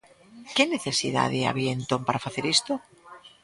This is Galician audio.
Que necesidade había entón para facer isto?